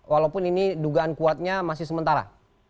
walaupun ini dugaan kuatnya masih sementara